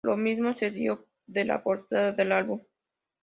Lo mismo se dijo de la portada del álbum.